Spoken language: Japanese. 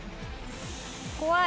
怖い。